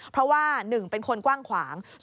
เพราะว่า๑เป็นคนกว้างขวาง